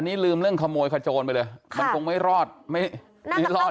อันนี้ลืมเรื่องขโมยขจรไปเลยครับมันคงไม่รอดไม่รอดรูนี้มา